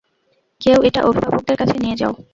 কেউ এটা অভিভাবকদের কাছে নিয়ে যাও।